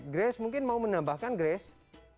grace mungkin mau menambahkan grace